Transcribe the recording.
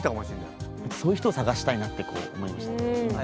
そういう人を探したいなって思いました。